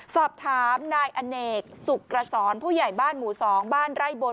สอบถามนายอเนกสุกกระสอนผู้ใหญ่บ้านหมู่๒บ้านไร่บน